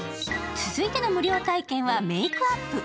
続いての無料体験はメークアップ。